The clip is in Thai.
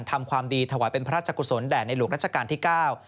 ทำความดีถวายเป็นพระราชกุศลแด่ในหลวงรัชกาลที่เก้า